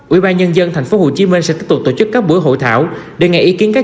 ủy ban nhân dân thành phố hồ chí minh sẽ tiếp tục tổ chức các buổi hội thảo đề nghị ý kiến các